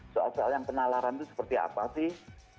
soal soal yang penalaran itu seperti apa sih